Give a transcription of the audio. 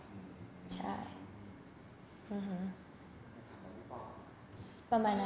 มีที่ความรับมาคอมเมนต์นะ